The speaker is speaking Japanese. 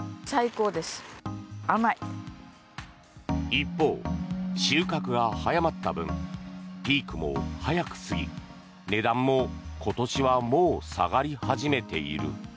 一方、収穫が早まった分ピークも早く過ぎ値段も今年はもう下がり始めている。